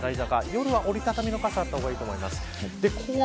夜は折り畳みの傘があった方がいいと思います。